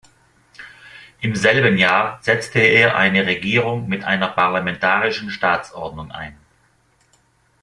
Im selben Jahr setzte er eine Regierung mit einer parlamentarischen Staatsordnung ein.